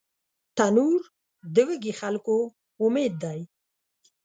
تنور د وږي خلکو امید دی